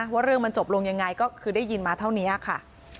ว่าเรื่องมันจบลงยังไงก็คือได้ยินมาเท่านี้ค่ะ